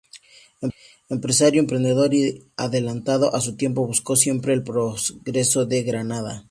Empresario emprendedor y adelantado a su tiempo, buscó siempre el progreso de Granada.